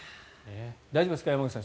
大丈夫ですか、山口さん。